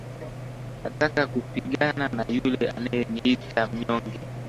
Nataka kupigana na yule anaye niita mnyonge.